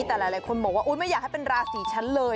แต่หลายคนบอกว่าไม่อยากให้เป็นราศีฉันเลย